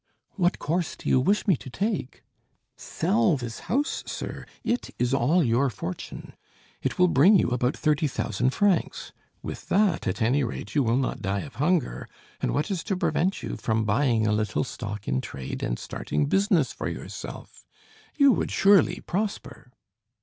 "What course do you wish me to take?" "Sell this house, sir, it is all your fortune. It will bring you about thirty thousand francs. With that at any rate you will not die of hunger; and what is to prevent you from buying a little stock in trade, and starting business for yourself? You would surely prosper."